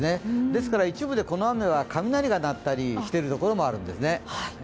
ですから一部でこの雨は雷が鳴ったりしてる所もあるんですね。